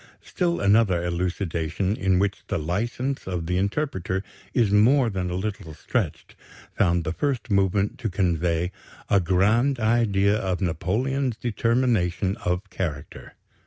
Still another elucidation, in which the license of the interpreter is more than a little stretched, found the first movement to convey "a grand idea of Napoleon's determination of character."